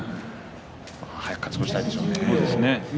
早く勝ち越したいでしょうね。